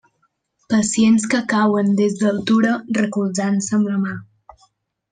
Pacients que cauen des d'altura recolzant-se amb la mà.